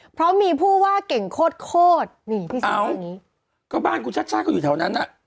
เพราะมีผู้ว่าเก่งโคตร